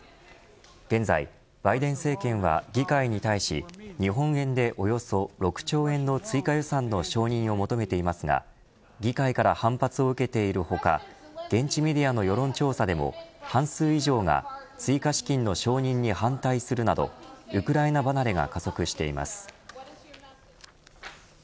現在バイデン政権は議会に対し日本円でおよそ６兆円の追加予算の承認を求めていますが議会から反発を受けている他現地メディアの世論調査でも半数以上が追加資金の承認に反対するなどウクライナ離れが加速しています。